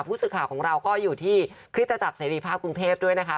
ผู้สื่อข่าวของเราก็อยู่ที่คริสตจักรเสรีภาพกรุงเทพด้วยนะคะ